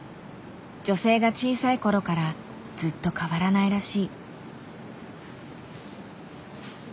女性が小さい頃からずっと変わらないらしい。